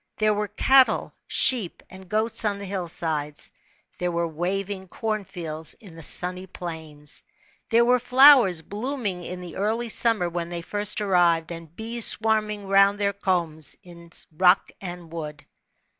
There were cattle, sheep/ p id goats on the hillsides ; there were waving corn fields in the sunny plains ; there were flowers blooming in the early summer when they first arrived, and bees swarming round their combs in rock and w^ood.